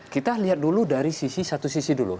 kita lihat dulu dari sisi satu sisi dulu